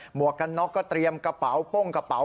วกกันน็อกก็เตรียมกระเป๋าป้งกระเป๋า